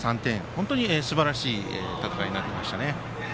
本当にすばらしい戦いになっていました。